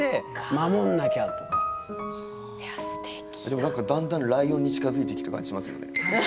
でもなんかだんだんライオンに近づいてきてる感じしますよね。